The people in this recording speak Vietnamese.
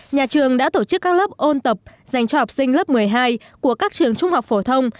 nhà trường đã tổ chức các lớp ôn tập dành cho học sinh lớp một mươi hai của các trường trung học phổ thông